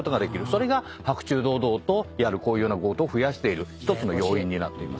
それが白昼堂々とやるこういうような強盗を増やしてる１つの要因になっています。